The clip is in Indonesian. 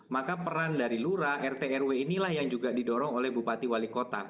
maka peran dari lura rt rw inilah yang juga didorong oleh bupati wali kota